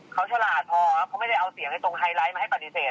เขาฉลาดพอครับเขาไม่ได้เอาเสียงตรงไฮไลท์มาให้ปฏิเสธ